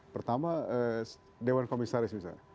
pertama dewan komisaris misalnya